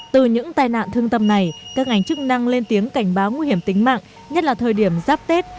từ những tai nạn thương tâm này các ngành chức năng lên tiếng cảnh báo nguy hiểm tính mạng nhất là thời điểm giáp tết